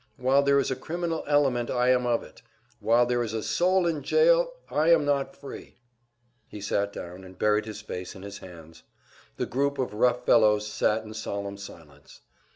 "While there is a criminal element, I am of it. "While there is a soul in jail, I am not free." Then he sat down and buried his face in his hands. The group of rough fellows sat in solemn silence.